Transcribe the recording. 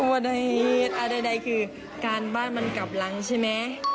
ว่าใดคือการบ้านมันกลับหลังใช่ไหม